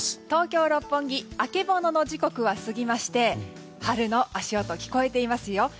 東京・六本木曙の時刻は過ぎまして春の足音、聞こえていますよ。